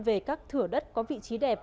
về các thửa đất có vị trí đẹp